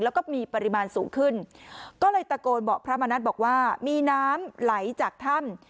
แล้วก็มีปริมาณสูงขึ้นก็เลยตะโกนบอกพระมณัฐบอกว่ามีน้ำไหลจากถ้ำ